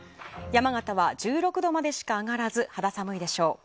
山形は１６度までしか上がらず肌寒いでしょう。